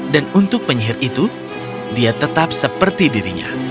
dan untuk penyihir itu dia tetap seperti dirinya